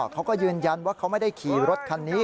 เขาก็ยืนยันว่าเขาไม่ได้ขี่รถคันนี้